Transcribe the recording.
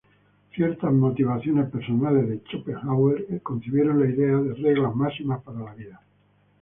Ciertas motivaciones personales de Schopenhauer concibieron la idea de reglas máximas para la vida.